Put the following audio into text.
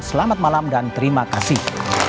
selamat malam dan terima kasih